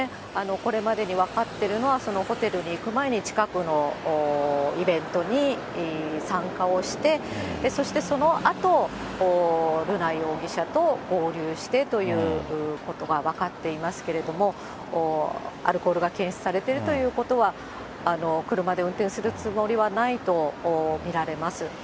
これまでに分かってるのは、そのホテルに行く前に、近くのイベントに参加をして、そしてそのあと、瑠奈容疑者と合流してということが分かっていますけれども、アルコールが検出されているということは、車で運転するつもりはないと見られます。